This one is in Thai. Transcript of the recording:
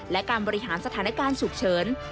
และการบริหารสถานการณ์ฉุกเฉิน